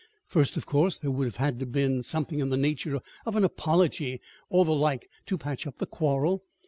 First, of course, there would have had to be something in the nature of an apology or the like to patch up the quarrel.